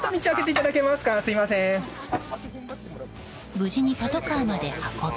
無事にパトカーまで運び